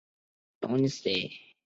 纹状体是端脑皮质下的一部份。